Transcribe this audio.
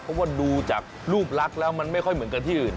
เพราะว่าดูจากรูปลักษณ์แล้วมันไม่ค่อยเหมือนกันที่อื่น